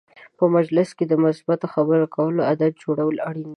په مجلس کې د مثبت خبرو کولو عادت جوړول اړین دي.